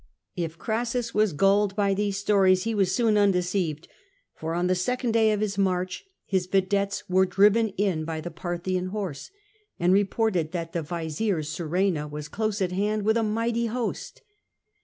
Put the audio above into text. If Crassus was gulled by these stories, he was soon undeceived, for on the second day of his march his vedettes were driven in by the Parthian horse, and re ported that the vizier Surena was close at hand with a mighty host.